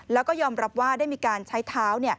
แล้วก็ยอมรับว่าได้มีการใช้เท้า